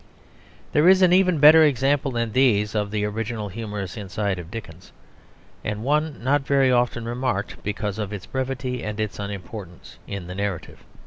There is an even better example than these of the original humorous insight of Dickens; and one not very often remarked, because of its brevity and its unimportance in the narrative.